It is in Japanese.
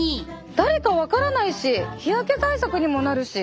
誰か分からないし日焼け対策にもなるし。